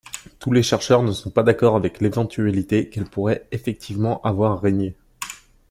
Tous les chercheurs ne sont pas d'accord avec l'éventualité qu'elle pourrait effectivement avoir régné.